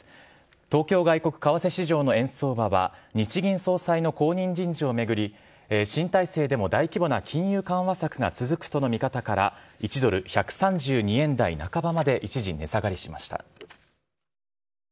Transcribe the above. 東京外国為替市場の円相場は、日銀総裁の後任人事を巡り、新体制でも大規模な金融緩和策が続くとの見方から、１ドル１３２円台半ばまで一時値下がりしました。